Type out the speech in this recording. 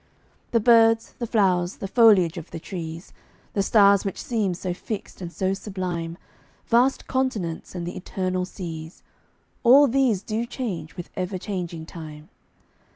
The birds, the flowers, the foliage of the trees, The stars which seem so fixed and so sublime, Vast continents and the eternal seas All these do change with ever changing time.